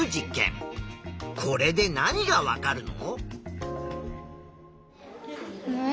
これで何がわかるの？